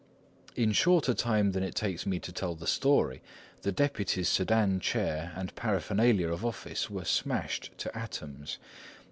In shorter time than it takes me to tell the story, the deputy's sedan chair and paraphernalia of office were smashed to atoms.